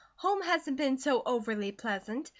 Home hasn't been so overly pleasant.